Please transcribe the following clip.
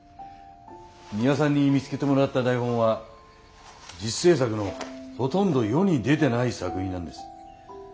ミワさんに見つけてもらった台本は自主制作のほとんど世に出てない作品なんです。